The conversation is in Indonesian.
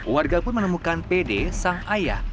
warga pun menemukan pede sang ayah